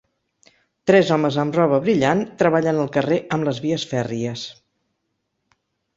Tres homes amb roba brillant treballen al carrer amb les vies fèrries.